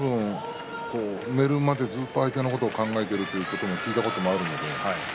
寝るまでずっと相手のことを考えているということも聞いたことがあります。